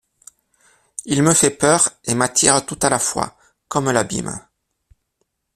il me fait peur et m'attire tout à la fois … comme l'abîme.